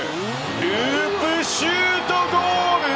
ループシュート、ゴール。